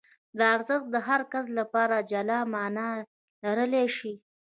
دا ارزښت د هر کس لپاره جلا مانا لرلای شي.